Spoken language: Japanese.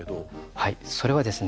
はいそれはですね